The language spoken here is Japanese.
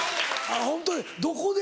ホントにどこで？